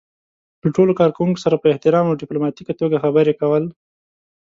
له ټولو کار کوونکو سره په احترام او ډيپلوماتيکه توګه خبرې کول.